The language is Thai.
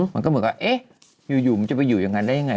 มันก็เหมือนกับเอ๊ะอยู่มันจะไปอยู่อย่างนั้นได้ยังไง